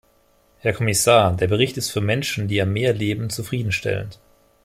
Herr Kommissar! Der Bericht ist für Menschen, die am Meer leben, zufrieden stellend.